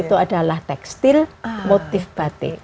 itu adalah tekstil motif batik